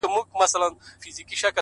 • يو يې دا وو له سلگونو رواجونو,